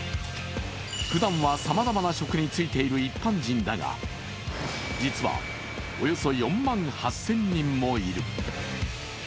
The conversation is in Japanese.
ふだんはさまざまな職に就いている一般人だが、実はおよそ４万８０００人もぽる。